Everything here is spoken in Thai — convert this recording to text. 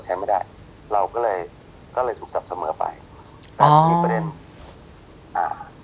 ใช้ไม่ได้เราก็เลยก็เลยถูกจับเสมอไปแต่มีประเด็นอ่า